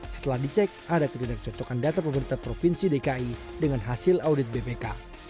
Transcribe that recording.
setelah dicek ada ketidakcocokan data pemerintah provinsi dki dengan hasil audit bpk